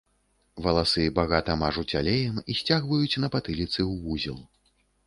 Валасы багата мажуць алеем і сцягваюць на патыліцы ў вузел.